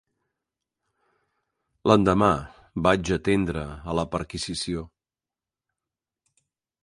L'endemà vaig atendre a la perquisició.